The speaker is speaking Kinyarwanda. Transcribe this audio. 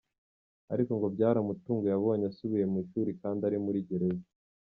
Ariko ngo byaramutunguye abonye asubiye mu ishuri kandi ari muri gereza.